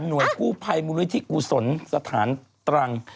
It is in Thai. ไหน่กู้ภัยบุรุณิธิกุศลสถานตรัง